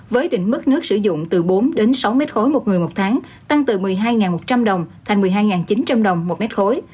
với đỉnh mức nước sử dụng từ bốn đến sáu mét khối một người một tháng tăng từ một mươi hai một trăm linh đồng thành một mươi hai chín trăm linh đồng một mét khối